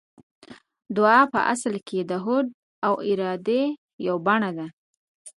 دعا په اصل کې د هوډ او ارادې يوه بڼه ده.